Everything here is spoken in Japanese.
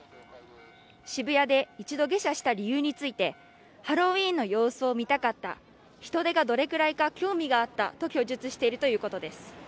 渋谷で一度下車した理由についてハロウィーンの様子を見たかった人出がどれくらいか興味があったと供述しているということです